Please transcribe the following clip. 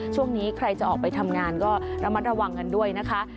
ช่วงนี้ใครจะออกไปทำงานก็ระมัดระวังกันด้วยนะคะ